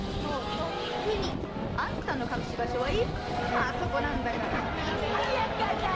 とっくに！あんたの隠し場所はいっつもあそこなんだから。